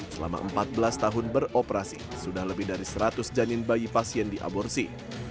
selama empat belas tahun beroperasi sudah lebih dari seratus janin bayi pasien diaborsi